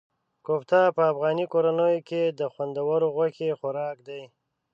کوفته په افغاني کورنیو کې د خوندورو غوښې خوراک دی.